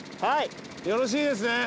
よろしいですね？